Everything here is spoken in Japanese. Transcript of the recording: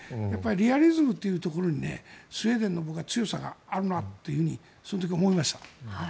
リアリズムというところにスウェーデンの強さがあるなとその時に思いました。